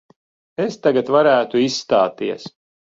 Es tagad varētu izstāties.